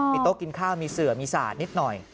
มีโต๊ะกินข้าวมีเสือมีสาดนิดหน่อย